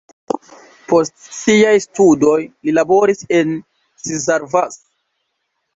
Post siaj studoj li laboris en Szarvas.